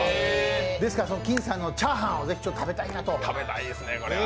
ですから金さんのチャーハンをぜひ食べたいなと。